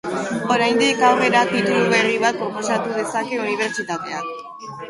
Oraindik aurrera, titulu berri bat proposatu dezake unibertsitateak.